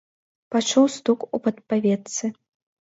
Пачуў стук у падпаветцы.